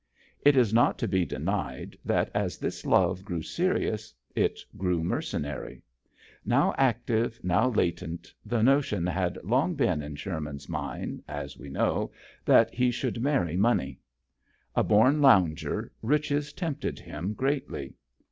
It is not to be denied that as this love grew serious it grew mercenary. Now active, now .latent, the notion had long been in Sherman's mind, as we know, that he should marry money. A born lounger, riches tempted him greatly.